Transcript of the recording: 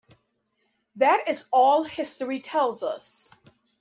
That is all history tells us.